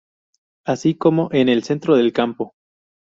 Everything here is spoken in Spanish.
Así como en el centro del campo.